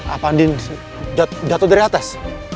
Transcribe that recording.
apa andin jatuh dari atas